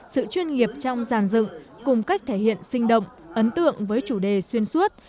sự chuyên nghiệp trong giàn dựng cùng cách thể hiện sinh động ấn tượng với chủ đề xuyên suốt